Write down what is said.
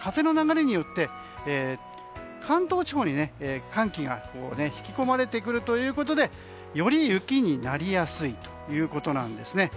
風の流れによって関東地方に寒気が引き込まれてくるということでより雪になりやすいということなんですね。